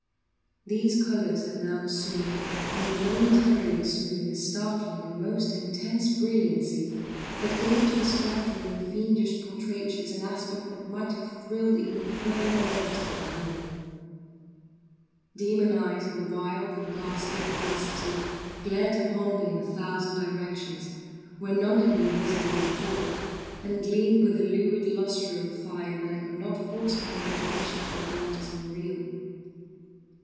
These colors had now assumed, and were momentarily assuming, a startling and most intense brilliancy, that gave to the spectral and fiendish portraitures an aspect that might have thrilled even firmer nerves than my own. Demon eyes, of a wild and ghastly vivacity, glared upon me in a thousand directions, where none had been visible before, and gleamed with the lurid lustre of a fire that I could not force my imagination to regard as unreal.